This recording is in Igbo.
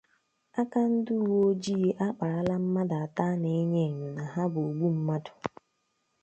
Aka ndị uweojii akpàrala mmadụ atọ a na-enyo enyò na ha bụ ogbu mmadụ